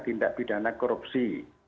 tindak pidana korupsi